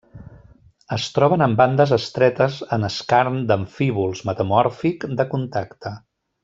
Es troben en bandes estretes en skarn d'amfíbols metamòrfic de contacte.